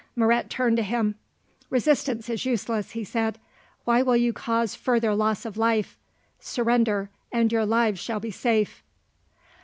Moret turned to him. "Resistance is useless," he said. "Why will you cause further loss of life? Surrender, and your lives shall be safe."